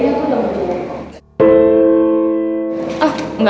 iya aku udah nunggu